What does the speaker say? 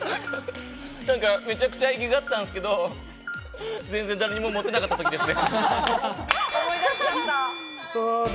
めちゃくちゃイキがっていたんですけれど、全然、誰にもモテなかった時ですね。